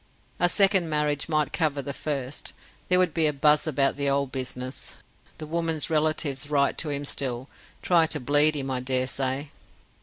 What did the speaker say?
A second marriage might cover the first: there would be a buzz about the old business: the woman's relatives write to him still, try to bleed him, I dare say.